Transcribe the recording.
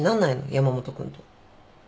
山本君と。